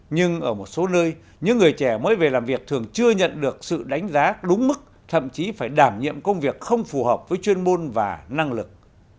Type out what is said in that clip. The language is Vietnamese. nhưng ở một số nơi những người trẻ mới về làm việc thường chưa nhận được sự đánh giá đúng mức thậm chí phải đảm nhiệm công việc không phù hợp với chuyên môn và năng lực